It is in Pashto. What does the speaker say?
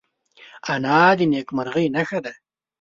انا د نیکمرغۍ نښه ده